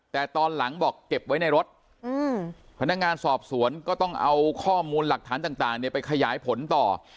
แต่ตอนหลังบอกเก็บไว้ในรถพนักงานสอบสวนก็ต้องเอาข้อมูลหลักฐานต่างไปขยายผลต่อ